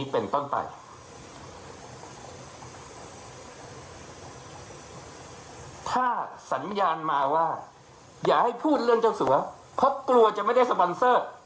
เพราะกลัวจะไม่ได้สปอนเซอร์